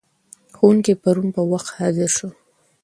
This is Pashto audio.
ښوونکی پرون پر وخت حاضر شو.